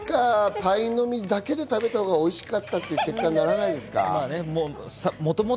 結果パイの実だけで食べたらおいしかったっていう結果にならないですか？